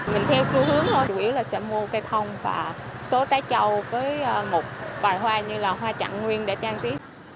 mình theo xu hướng thôi chủ yếu là sẽ mua cây thông và số trái trâu với một vài hoa như là hoa chặn nguyên để trang trí